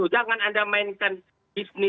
jangan anda mainkan